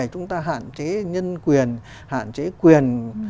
chúng ta hạn chế nhân quyền